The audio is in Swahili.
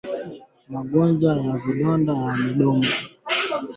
Magonjwa ya vidonda vya mdomoni